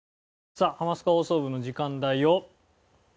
さあ『ハマスカ放送部』の時間だよ。